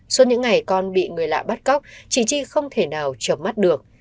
suốt những ngày con bị người lạ bắt cóc chị chi không thể nào chập mắt được